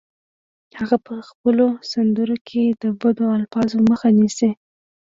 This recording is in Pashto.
هغه په خپلو سندرو کې د بدو الفاظو مخه نیسي